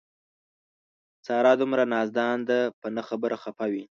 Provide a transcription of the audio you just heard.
ساره دومره نازدان ده په نه خبره خپه وي.